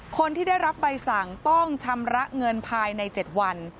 คนที่ได้รับใบสั่งต้องชำระเงินภายใน๗วัน